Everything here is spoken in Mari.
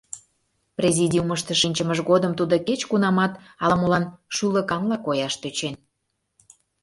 Президиумышто шинчымыж годым тудо кеч кунамат ала молан шӱлыканла кояш тӧчен.